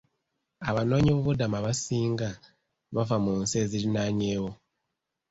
Abanoonyiboobubudamu abasinga bava mu nsi ezirinaanyeewo.